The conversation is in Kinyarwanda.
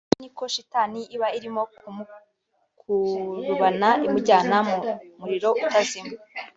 na we niko shitani iba irimo kummukurubana imujyana mu muriro utazima